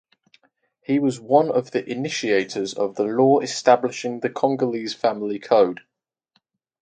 He was one of the initiators of the law establishing the Congolese Family Code.